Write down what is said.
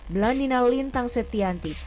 blandina lintang setianti